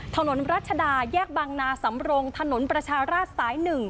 ถนนรัชดาแยกบางนาสำรงถนนประชาราชสาย๑